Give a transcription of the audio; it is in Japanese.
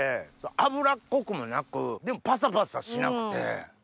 脂っこくもなくでもパサパサしなくて。